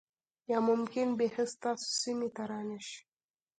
یا ممکن بیخی ستاسو سیمې ته را نشي